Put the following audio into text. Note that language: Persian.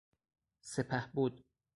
سپهبد